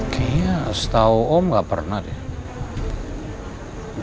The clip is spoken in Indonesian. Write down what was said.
kayaknya setau om gak pernah deh